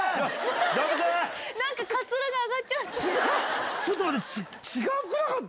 カツラが上がっちゃった。